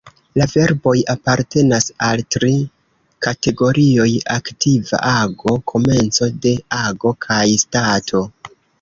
La verboj apartenas al tri kategorioj: aktiva ago, komenco de ago kaj stato.